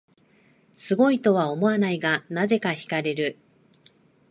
すごいとは思わないが、なぜか惹かれる